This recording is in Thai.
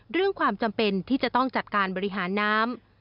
เรื่องความจำเป็นที่จะต้องจัดการบริหารน้ำ